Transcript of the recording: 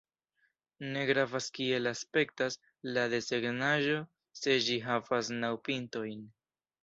Ne gravas kiel aspektas la desegnaĵo se ĝi havas naŭ pintojn.